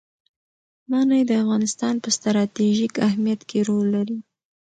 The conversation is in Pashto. منی د افغانستان په ستراتیژیک اهمیت کې رول لري.